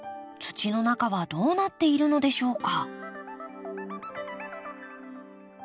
土の中はどうなっているのでしょうか？